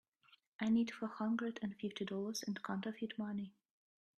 I need four hundred and fifty dollars in counterfeit money.